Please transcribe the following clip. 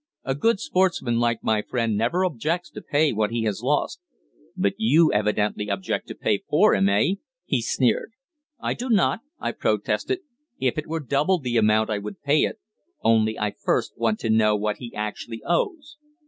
A good sportsman like my friend never objects to pay what he has lost." "But you evidently object to pay for him, eh?" he sneered. "I do not," I protested. "If it were double the amount I would pay it. Only I first want to know what he actually owes."